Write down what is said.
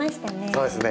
そうですね。